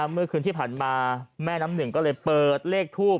เมื่อคืนที่ผ่านมาแม่น้ำหนึ่งก็เลยเปิดเลขทูบ